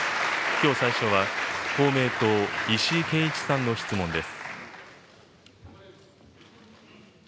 きょう最初は、公明党、石井啓一さんの質問です。